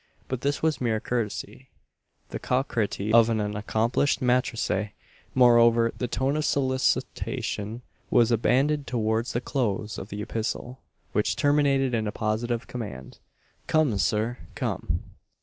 But this was mere courtesy the coquetry of an accomplished maitresse. Moreover, the tone of solicitation was abandoned towards the close of the epistle; which terminated in a positive command: "Come, sir! come!"